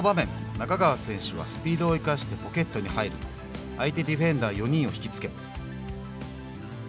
仲川選手はスピードを生かしてポケットに入ると相手ディフェンダー４人を引き付け。